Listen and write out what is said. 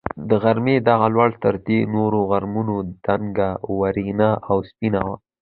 د غره دغه لړۍ تر دې نورو غرونو دنګه، واورینه او سپینه وه.